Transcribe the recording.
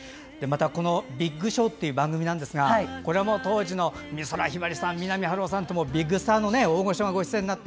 「ビッグショー」という番組ですがこれも当時の美空ひばりさん三波春夫さんとビッグスターの大御所が出演になって。